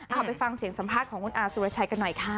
เอาไปฟังเสียงสัมภาษณ์ของคุณอาสุรชัยกันหน่อยค่ะ